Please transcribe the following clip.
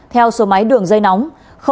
theo số máy đường dây nóng